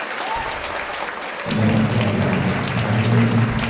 جميع أفراد عائلتي خارج المدينة.